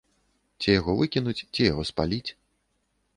Ці яго выкінуць, ці яго спаліць?